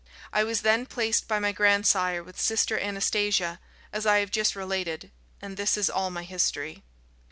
I was then placed by my grandsire with Sister Anastasia, as I have just related and this is all my history."